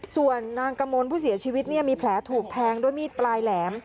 ส่วนนางกมลผู้เสียชีวิตมีแผลถูกแทงด้วยมีดปลายแหลม